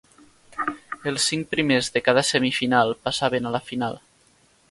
Els cinc primers de cada semifinal passaven a la final.